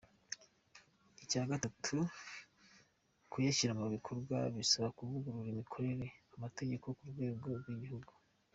“Icya gatatu, kuyashyira mu bikorwa bizasaba kuvugurura imikorere n’amategeko ku rwego rw’igihugu.